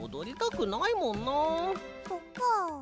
そっかあ。